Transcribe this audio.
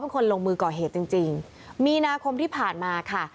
คนลงมือก่อเหตุจริงมีนาคมที่ผ่านมาค่ะ